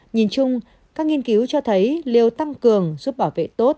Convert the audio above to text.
nhìn chung các nghiên cứu cho thấy liều tăng cường giúp bảo vệ tốt